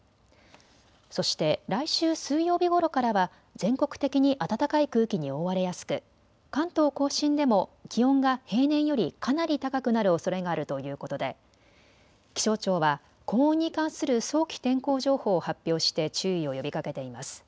そして来週水曜日ごろからは全国的に暖かい空気に覆われやすく関東甲信でも気温が平年よりかなり高くなるおそれがあるということで気象庁は高温に関する早期天候情報を発表して注意を呼びかけています。